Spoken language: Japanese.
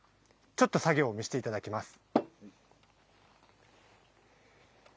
ちょっと作業を見せていただきます。